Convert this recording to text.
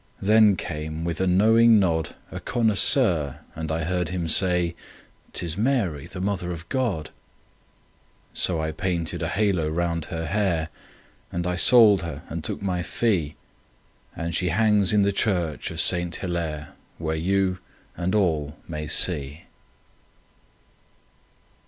Then came, with a knowing nod, A connoisseur, and I heard him say; "'Tis Mary, the Mother of God." So I painted a halo round her hair, And I sold her and took my fee, And she hangs in the church of Saint Hillaire, Where you and all may see.